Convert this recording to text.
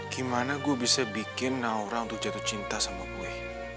gimana gue bisa bikin naura untuk jatuh cinta sama gue